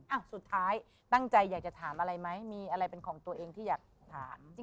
สุดท้ายตั้งใจอยากจะถามอะไรไหมมีอะไรเป็นของตัวเองที่อยากถาม